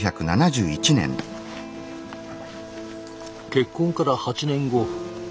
結婚から８年後。